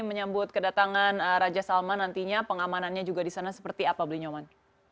menyambut kedatangan raja salman nantinya pengamanannya juga di sana seperti apa blinyoman